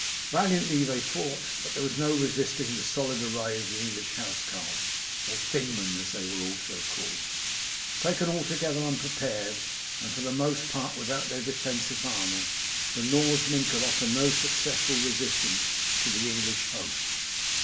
Valiantly they fought, but there was no resisting the solid array of the English housecarls, or Thingmen as they were also called. Taken altogether unprepared, and for the most part without their defensive armour, the Norsemen could offer no successful resistance to the English host.